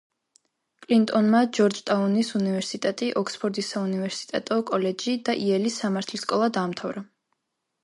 კლინტონმა ჯორჯტაუნის უნივერსიტეტი, ოქსფორდის საუნივერსიტეტო კოლეჯი და იელის სამართლის სკოლა დაამთავრა.